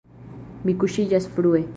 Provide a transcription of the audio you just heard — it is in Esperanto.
Mi kuŝiĝas frue.